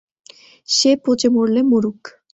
সে পচে মরলে মরুক!